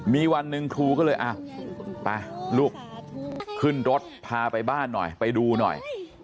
มีวันหนึ่งครูก็เลยไปลูกขึ้นรถพาไปบ้านหน่อยไปดูหน่อย